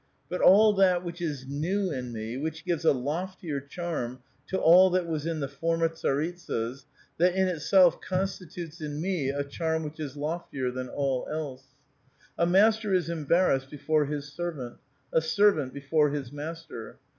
But all that which is new in me, which gives a loftier charm to all that was in the former tsaritsas, that in itself constitutes in me a charm which is loftier than all else. A master is embarrassed before his servant ; a servant before his master.